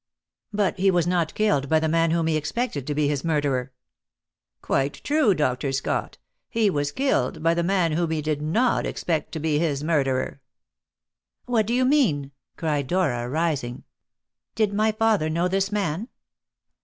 "But he was not killed by the man whom he expected to be his murderer." "Quite true, Dr. Scott. He was killed by the man whom he did not expect to be his murderer." "What do you mean?" cried Dora, rising. "Did my father know this man?"